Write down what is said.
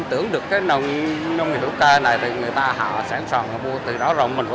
chúng tôi không hiểu thế gì nhưng when the time it happened